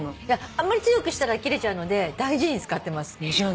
あんまり強くしたら切れちゃうので大事に使ってます。